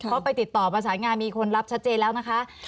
เขาไปติดต่อประสานงานมีคนรับชัดเจนแล้วนะคะ